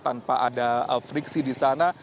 tanpa ada friksi di sana